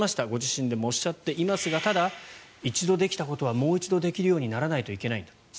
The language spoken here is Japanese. ご自身もおっしゃってますがただ、一度できたことはもう一度できるようにならないといけないんだと。